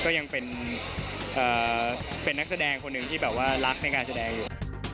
ก็ยังเป็นนักแสดงคนหนึ่งที่แบบว่ารักในการแสดงอยู่